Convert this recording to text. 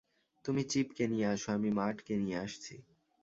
তুমি চিপকে নিয়ে আসো, আমি মার্টকে নিয়ে আসছি।